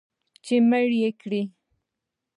چې مړ یې کړي